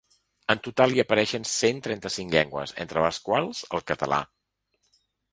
En total hi apareixen cent trenta-cinc llengües, entre les quals, el català.